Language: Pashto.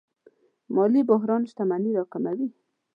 مالي بحران شتمني راکموي.